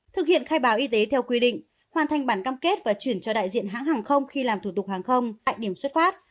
thực hiện khai báo y tế theo quy định hoàn thành bản cam kết và chuyển cho đại diện hãng hàng không khi làm thủ tục hàng không tại điểm xuất phát